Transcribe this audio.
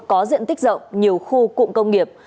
có diện tích rộng nhiều khu cụm công nghiệp